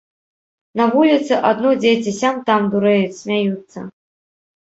На вуліцы адно дзеці сям-там дурэюць, смяюцца.